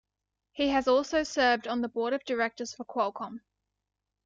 He has also served on the board of directors for Qualcomm.